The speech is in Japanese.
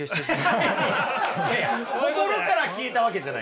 いやいや心から消えたわけじゃないから。